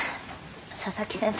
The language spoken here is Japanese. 佐々木先生